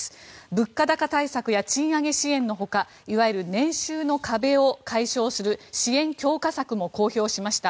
物価高対策や賃上げ支援のほかいわゆる年収の壁を解消する支援強化策も公表しました。